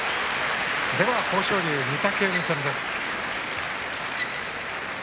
豊昇龍、御嶽海戦です。